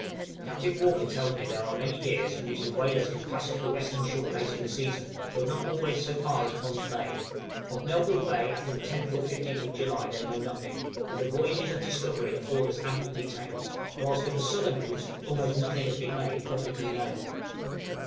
Captain Walker tells me there are many years in which the whalers can pass up the western shore late in the season, but not always so far as Pond's Bay; of Melville Bay after the 10th or 15th July they know nothing, but the voyages of discovery afford us ample details; whilst of the southern route almost nothing has been made publicly known.